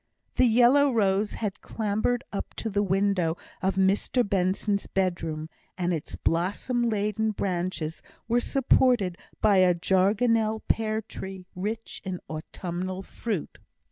The yellow rose had clambered up to the window of Mr Benson's bedroom, and its blossom laden branches were supported by a jargonelle pear tree rich in autumnal fruit.